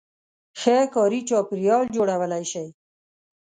-ښه کاري چاپېریال جوړولای شئ